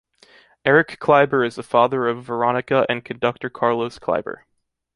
Erich Kleiber is the father of Veronika and conductor Carlos Kleiber.